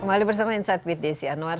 kembali bersama insight with desi anwar